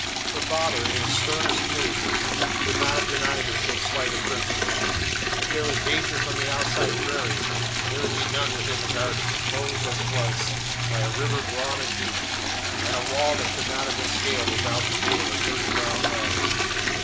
Her father, in his sternest mood, could not have denied her so slight a privilege. If there was danger upon the outside prairie, there could be none within the garden enclosed, as it was, by a river broad and deep, and a wall that could not have been scaled without the aid of a thirty round ladder.